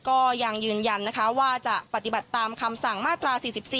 ก็ยังยืนยันนะคะว่าจะปฏิบัติตามคำสั่งมาตรา๔๔